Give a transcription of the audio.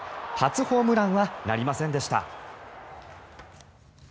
初ホームランはなりませんでした。